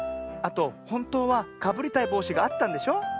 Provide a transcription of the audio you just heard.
あとほんとうはかぶりたいぼうしがあったんでしょ？